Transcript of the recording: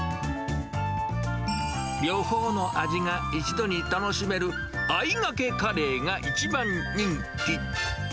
両方の味が一度に楽しめるあいがけカレーが一番人気。